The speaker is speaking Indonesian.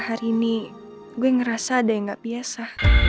hari ini gue ngerasa ada yang gak biasa